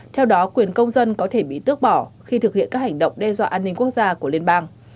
theo đó quyền công dân có thể bị tước bỏ khi thực hiện các hành động đe dọa an ninh quốc gia của liên bang